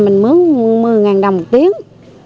mình mướn một mươi ngàn đồng một tiếng